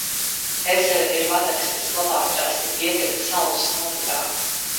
Ezere ir Vadakstes labā krasta pieteka Saldus novadā.